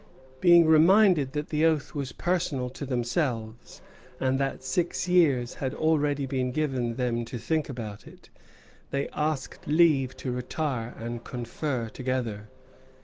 Being reminded that the oath was personal to themselves, and that six years had already been given them to think about it, they asked leave to retire and confer together.